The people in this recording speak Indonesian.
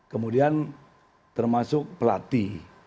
kemudian termasuk pelatih